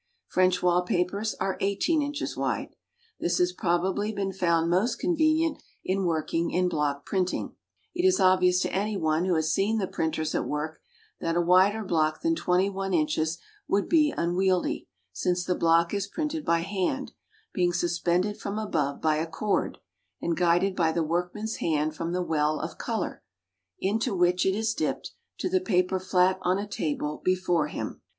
French wall papers are 18 inches wide. This has probably been found most convenient in working in block printing: it is obvious to any one who has seen the printers at work that a wider block than 21 inches would be unwieldy, since the block is printed by hand, being suspended from above by a cord, and guided by the workman's hand from the well of colour, into which it is dipped, to the paper flat on a table before him.